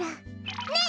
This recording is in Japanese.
ねえ！